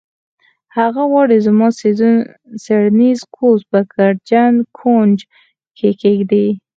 هغه غواړي زما څیړنیز کوچ په ګردجن کونج کې کیږدي